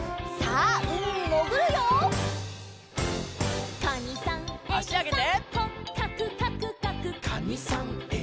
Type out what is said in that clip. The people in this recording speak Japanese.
あしあげて。